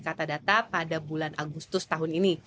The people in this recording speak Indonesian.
kata data pada bulan agustus tahun ini